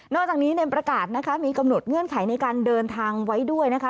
จากนี้ในประกาศนะคะมีกำหนดเงื่อนไขในการเดินทางไว้ด้วยนะคะ